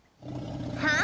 はあ？